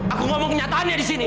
aku ngomong kenyataannya di sini